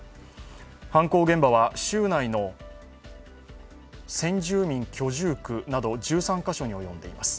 犯行現場は州内の先住民居住区など１３か所に及んでいます。